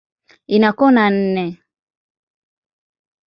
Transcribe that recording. Ina kona nne.